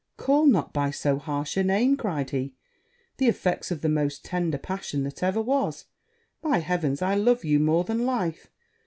'Call not by so harsh a name,' cried he, 'the effects of the most tender passion that ever was: by heavens, I love you more than life!